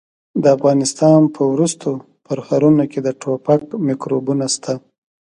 د افغانستان په ورستو پرهرونو کې د ټوپک میکروبونه شته.